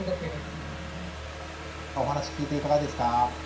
お話聞いていかがですか？